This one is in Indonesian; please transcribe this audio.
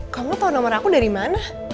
kamu tau nomer aku dari mana